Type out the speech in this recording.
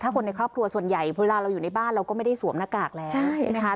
คนในครอบครัวส่วนใหญ่เวลาเราอยู่ในบ้านเราก็ไม่ได้สวมหน้ากากแล้วนะคะ